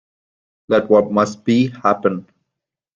Let what must be, happen.